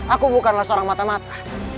aku bukanlah seorang mata mata